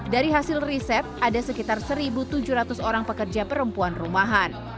dari hasil riset ada sekitar satu tujuh ratus orang pekerja perempuan rumahan